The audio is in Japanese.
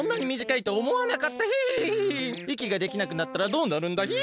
いきができなくなったらどうなるんだヒン？